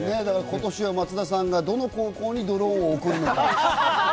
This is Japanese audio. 今年は松田さんがどの高校にドローンを送るのか？